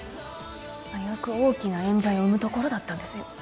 危うく大きな冤罪を生むところだったんですよ